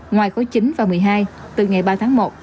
ngoài khối chín và một mươi hai từ ngày ba tháng một